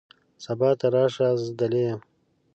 سبا ته راشه ، زه دلې یم .